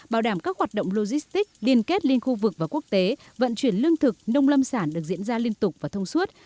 bảo đảm các hoạt động logistics liên kết liên khu vực và quốc tế vận chuyển lương thực nông lâm sản được diễn ra liên tục và thông suốt